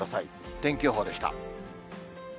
天気予報でした。